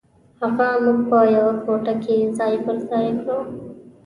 هغه موږ په یوه کوټه کې ځای پر ځای کړو.